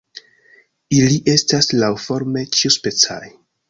Ili estas laŭforme ĉiuspecaj.